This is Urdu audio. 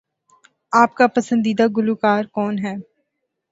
آپ کا پسندیدہ گلوکار کون ہے؟